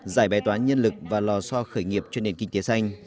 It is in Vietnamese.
giải bài toán nhân lực và lò so khởi nghiệp cho nền kinh tế xanh